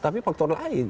tapi faktor lain